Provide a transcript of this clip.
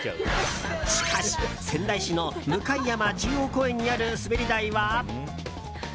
しかし、仙台市の向山中央公園にある滑り台は。